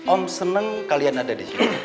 om senang kalian ada di sini